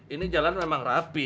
ini jalan memang rapi